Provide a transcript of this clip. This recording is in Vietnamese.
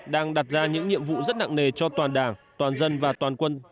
đang đặt ra những nhiệm vụ rất nặng nề cho toàn đảng toàn dân và toàn quân